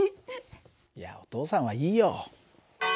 いやお父さんはいいよ。